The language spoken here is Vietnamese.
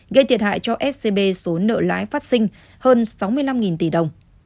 gây thiệt hại cho scb số nợ lái phát sinh hơn sáu mươi năm tỷ đồng